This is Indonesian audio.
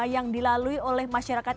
yang dilalui oleh masyarakat